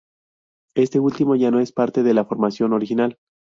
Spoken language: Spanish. Este último ya no es parte de la formación original.